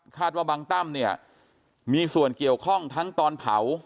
ว่าบางตั้มเนี่ยมีส่วนเกี่ยวข้องทั้งตอนเผา